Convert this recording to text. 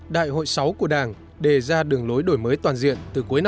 đại hội sáu của đảng đề ra đường lối đổi mới toàn diện từ cuối năm một nghìn chín trăm tám mươi sáu